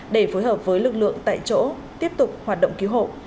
để phối hợp với lực lượng tại chỗ tiếp tục hoạt động cứu hộ